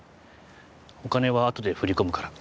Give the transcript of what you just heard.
お金はあとで振り込むから。